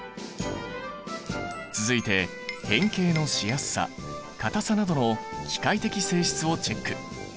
続いて変形のしやすさ硬さなどの機械的性質をチェック！